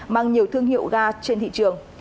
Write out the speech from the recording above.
mang nhiều thương hiệu ga trên thị trường